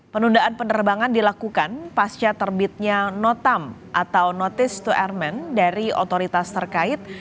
penundaan penerbangan dilakukan pasca terbitnya notam atau notice to airmen dari otoritas terkait